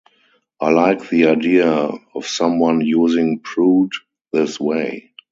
I like the idea of someone using prude this way.